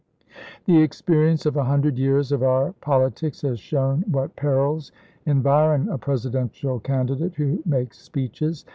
The experience of a hundred years of our poli tics has shown what perils environ a Presidential candidate who makes speeches.